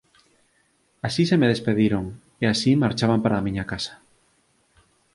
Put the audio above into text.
Así se me despediron e así marchaba para a miña casa.